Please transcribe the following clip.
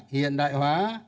hiện đại hóa